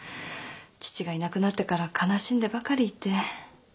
父がいなくなってから悲しんでばかりいて。